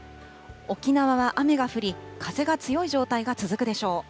沖縄は雨が降り、風が強い状態が続くでしょう。